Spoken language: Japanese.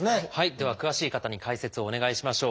では詳しい方に解説をお願いしましょう。